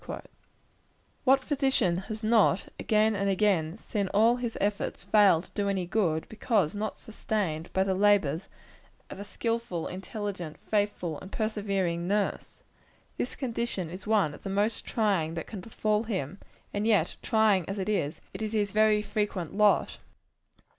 What physician has not, again and again, seen all his efforts fail to do any good, because not sustained by the labors of a skilful, intelligent, faithful and persevering nurse? This condition is one of the most trying that can befall him; and yet, trying as it is, it is his very frequent lot.